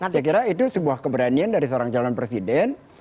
saya kira itu sebuah keberanian dari seorang calon presiden